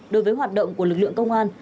đối với hoạt động của lực lượng công an